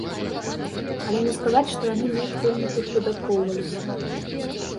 Але не сказаць, што яны неяк вельмі тут выдаткоўваліся.